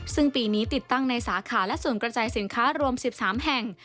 ซึ่งปีนี้ติดตั้งในสาขาและส่วนกระจายสินค้ารวม๑๓แห่ง